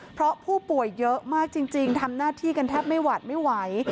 เพราะผู้ป่วยเยอะมากจริงทำหน้าที่กันแทบไม่หวัดไม่ไหว